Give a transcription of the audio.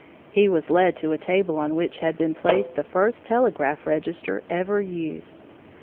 He was led to a table on which had been placed the first telegraph register ever used.